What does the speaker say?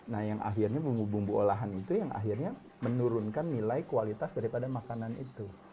nah yang akhirnya bumbu bumbu olahan itu yang akhirnya menurunkan nilai kualitas daripada makanan itu